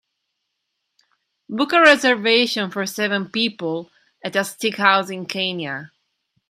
Book a reservation for seven people at a steakhouse in Kenya